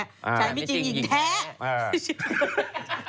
ฉันไม่จริงหญิงแท้